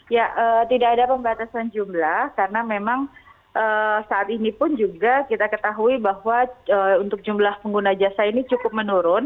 ya tidak ada pembatasan jumlah karena memang saat ini pun juga kita ketahui bahwa untuk jumlah pengguna jasa ini cukup menurun